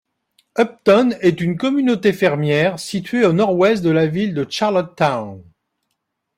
Upton est une communauté fermière, situé au nord-ouest de la ville de Charlottetown.